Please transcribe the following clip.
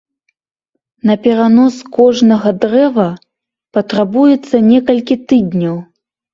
На перанос кожнага дрэва патрабуецца некалькі тыдняў.